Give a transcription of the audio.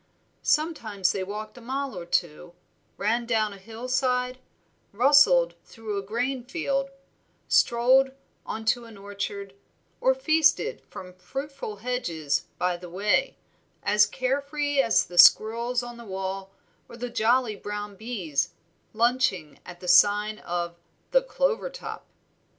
Sometimes they walked a mile or two, ran down a hillside, rustled through a grain field, strolled into an orchard, or feasted from fruitful hedges by the way, as care free as the squirrels on the wall, or the jolly brown bees lunching at the sign of "The Clover top."